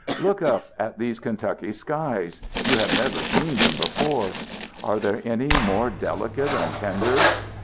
Look up at these Kentucky skies! You have never seen them before. Are there any more delicate and tender?